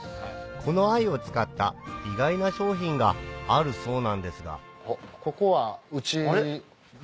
この藍を使った意外な商品があるそうなんですがここはうちの。